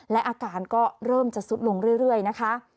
และอาการก็เริ่มจะสุดลงเรื่อยนะคะ